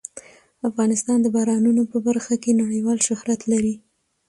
افغانستان د بارانونو په برخه کې نړیوال شهرت لري.